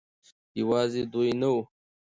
يوازې دوي نه وو